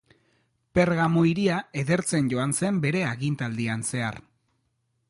Pergamo hiria edertzen joan zen bere agintaldian zehar.